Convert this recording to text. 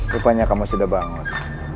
rupanya kamu sudah bangun